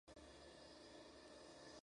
Fuente:Turismo e Identidad Cultural de Ocros.